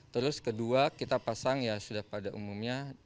terus kedua kita pasang ya sudah pada umumnya